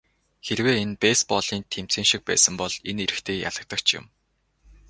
Хэрвээ энэ бейсболын тэмцээн шиг байсан бол энэ эрэгтэй ялагдагч юм.